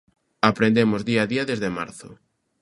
Aprendemos día a día desde marzo.